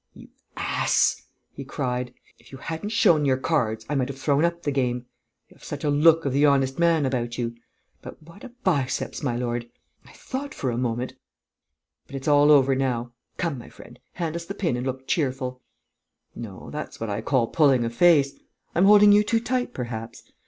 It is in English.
"You ass!" he cried. "If you hadn't shown your cards, I might have thrown up the game! You have such a look of the honest man about you! But what a biceps, my lord!... I thought for a moment.... But it's all over, now!... Come, my friend, hand us the pin and look cheerful.... No, that's what I call pulling a face.... I'm holding you too tight, perhaps?